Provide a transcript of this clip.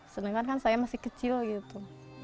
sedangkan kan saya masih kecil gitu